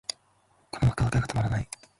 このワクワクがたまらない